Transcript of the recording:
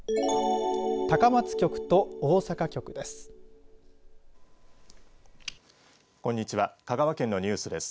高松局と大阪局です。